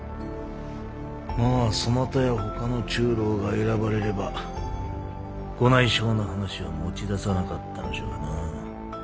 まぁそなたやほかの中臈が選ばれればご内証の話は持ち出さなかったのじゃがな。